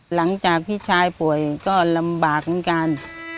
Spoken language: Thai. หลังจากพี่ชายป่วยก็ลำบากเหมือนกัน